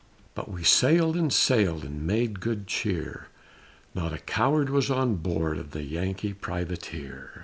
But we sailed and sailed And made good cheer! Not a coward was on board Of the Yankee Privateer.